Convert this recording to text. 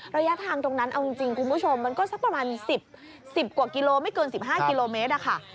ระยะทางตรงนั้นเอาจริงคุณผู้ชมมันก็สักประมาณ๑๐กว่ากิโลไม่เกิน๑๕กิโลเมตรอะค่ะ